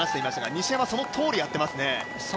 西山、そのとおりやっていますね。